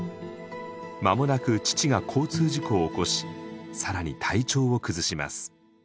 間もなく父が交通事故を起こし更に体調を崩します。